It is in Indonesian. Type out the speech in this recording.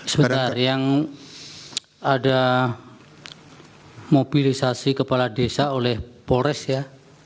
sebentar yang ada mobilisasi kepala desa oleh polres ya